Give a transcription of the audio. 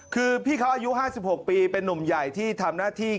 คือพี่เขาอายุ๕๖ปีเป็นนุ่มใหญ่ที่ทำหน้าที่